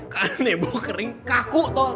kan nebo kering kaku tau